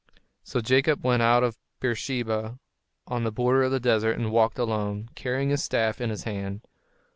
So Jacob went out of Beersheba, on the border of the desert, and walked alone, carrying his staff in his hand.